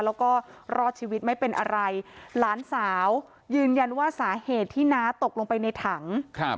แล้วก็รอดชีวิตไม่เป็นอะไรหลานสาวยืนยันว่าสาเหตุที่น้าตกลงไปในถังครับ